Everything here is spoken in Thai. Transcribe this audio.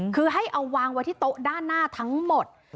คือให้เอาวางไว้ที่โต๊ะด้านหน้าทั้งหมด